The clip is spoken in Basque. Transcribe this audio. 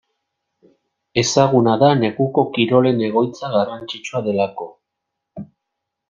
Ezaguna da neguko kirolen egoitza garrantzitsua delako.